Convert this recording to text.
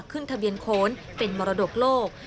ขึ้นทะเบียนโขนเป็นมรดกโลก